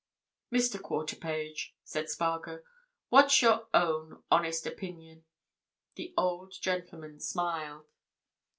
"Mr. Quarterpage," said Spargo, "what's your own honest opinion?" The old gentleman smiled.